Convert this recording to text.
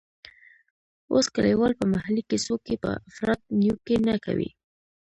اوس کلیوال په محلي کیسو کې پر افراط نیوکې نه کوي.